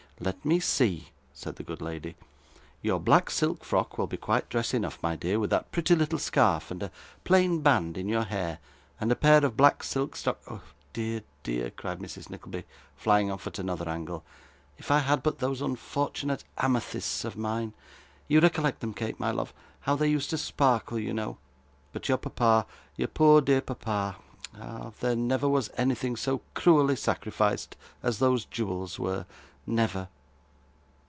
'Let me see,' said the good lady. 'Your black silk frock will be quite dress enough, my dear, with that pretty little scarf, and a plain band in your hair, and a pair of black silk stock Dear, dear,' cried Mrs Nickleby, flying off at another angle, 'if I had but those unfortunate amethysts of mine you recollect them, Kate, my love how they used to sparkle, you know but your papa, your poor dear papa ah! there never was anything so cruelly sacrificed as those jewels were, never!